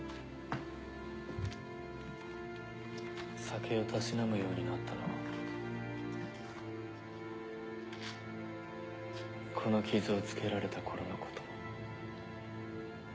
酒をたしなむようになったのはこの傷をつけられた頃のこと。